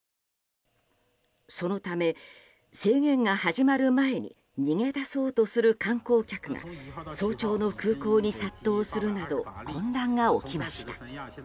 そのため、制限が始まる前に逃げ出そうとする観光客が早朝の空港に殺到するなど混乱が起きました。